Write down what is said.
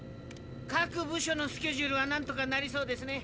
各部署のスケジュールはなんとかなりそうですね。